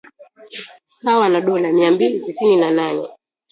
sawa na dola mia mbili tisini na nane